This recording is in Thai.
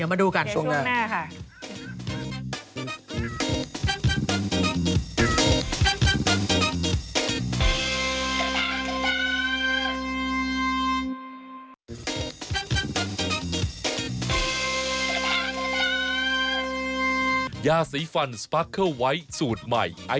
ตัวแง๋แล้วเนอะห่วงสาวคนเดียวด้วยโอ๊ยเดี๋ยวมาดูกันช่วงหน้าค่ะ